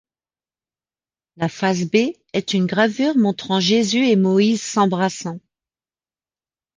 La face B est une gravure montrant Jesus et Moïse s'embrassant.